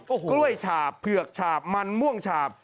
ก็กล้วยฉาบเผือกฉาบมันม่วงฉาบ